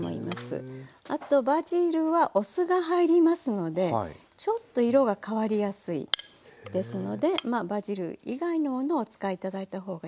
あとバジルはお酢が入りますのでちょっと色が変わりやすいですのでバジル以外のものをお使い頂いた方がいいかなと思います。